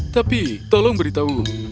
tapi tolong beritahu